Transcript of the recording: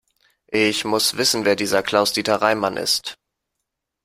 Ich muss wissen, wer dieser Klaus-Dieter Reimann ist.